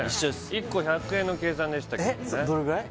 １個１００円の計算でしたけどもねどれぐらい？